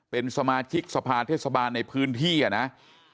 เป็นสมาชิกสภาเทศบาลในพื้นที่อ่ะนะ